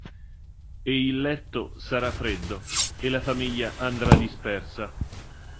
E il letto sarà freddo, e la famiglia andrà dispersa.